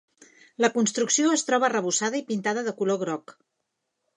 La construcció es troba arrebossada i pintada de color groc.